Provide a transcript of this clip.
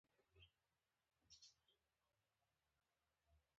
د احمد مور د ځوان زوی غشی وخوړلو.